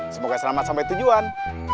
semoga selamat sampai tujuan